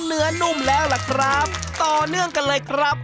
นุ่มแล้วล่ะครับต่อเนื่องกันเลยครับ